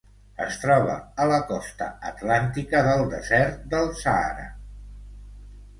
Es troba a la costa atlàntica del desert del Sàhara.